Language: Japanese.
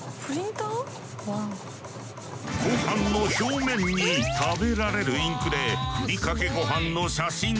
ごはんの表面に食べられるインクでふりかけごはんの写真を印刷。